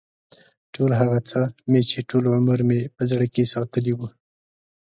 ټول هغه څه مې چې ټول عمر مې په زړه کې ساتلي و.